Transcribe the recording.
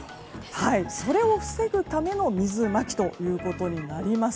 それを防ぐための水まきということになります。